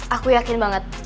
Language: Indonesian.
aku yakin banget